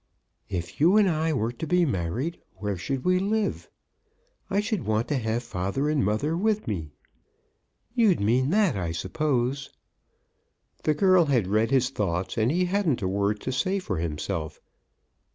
"If you and I were to be married, where should we live? I should want to have father and mother with me. You'd mean that, I suppose?" The girl had read his thoughts, and he hadn't a word to say for himself.